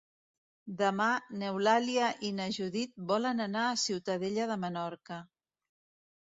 Demà n'Eulàlia i na Judit volen anar a Ciutadella de Menorca.